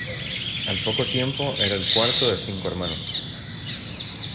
Al poco tiempo, era el cuarto de cinco hermanos.